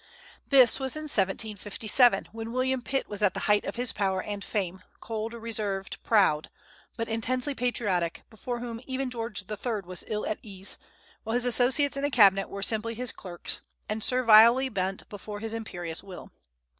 This was in 1757, when William Pitt was at the height of his power and fame, cold, reserved, proud, but intensely patriotic, before whom even George III. was ill at ease, while his associates in the Cabinet were simply his clerks, and servilely bent before his imperious will.